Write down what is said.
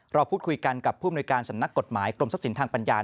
เราพูดคุยกันกับผู้อำนวยการสำนักกฎหมายกรมทรัพย์สินทางปัญญา